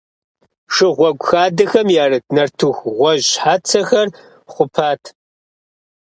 Шыгъуэгу хадэхэм ярыт нартыху гъуэжь щхьэцэхэр хъупат.